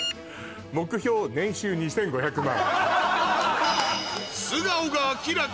「目標年収２５００万」。